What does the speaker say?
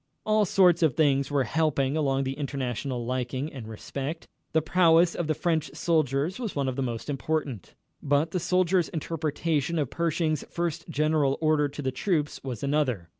All sorts of things were helping along the international liking and respect. The prowess of the French soldiers was one of the most important. But the soldiers' interpretation of Pershing's first general order to the troops was another.